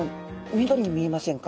緑に見えませんか？